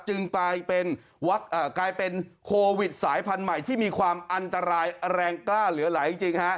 กลายเป็นกลายเป็นโควิดสายพันธุ์ใหม่ที่มีความอันตรายแรงกล้าเหลือไหลจริง